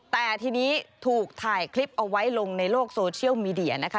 แต่ทีนี้ถูกถ่ายคลิปเอาไว้ลงในโลกโซเชียลมีเดียนะคะ